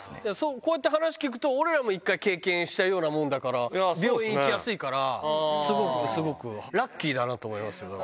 こうやって話聞くと、俺らも一回経験したようなもんだから、病院行きやすいから、すごく、すごく、ラッキーだなと思います。